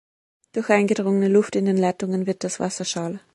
Durch eingedrungene Luft in den Leitungen wird das Wasser schal.